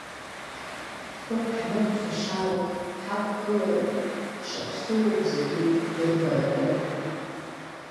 Ҳхы ҳмырԥхашьароуп, ҳақәгылароуп, ҳшаԥсоу зегьы ирбаратәы.